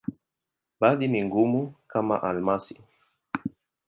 Baadhi ni ngumu, kama almasi.